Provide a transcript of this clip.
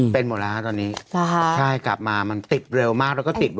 เป็นหมดแล้วฮะตอนนี้ใช่กลับมามันติดเร็วมากแล้วก็ติดมา